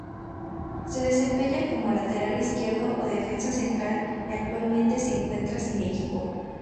Se desempeña como lateral izquierdo o defensa central y actualmente se encuentra sin equipo.